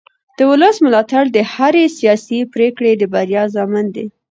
د ولس ملاتړ د هرې سیاسي پرېکړې د بریا ضامن دی